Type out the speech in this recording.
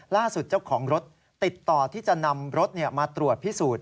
เจ้าของรถติดต่อที่จะนำรถมาตรวจพิสูจน์